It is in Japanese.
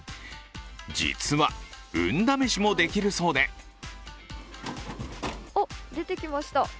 実は運試しもできるそうで出てきました。